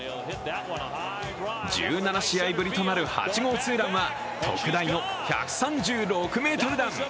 １７試合ぶりとなる８号ツーランは特大の１３６ｍ弾。